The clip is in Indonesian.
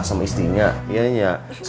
kenapa tak ketahuan pas lainnya dia